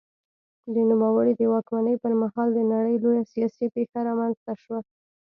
د نوموړي د واکمنۍ پر مهال د نړۍ لویه سیاسي پېښه رامنځته شوه.